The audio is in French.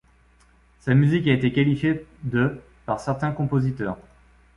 Sa musique a été qualifiée de par certains compositeurs.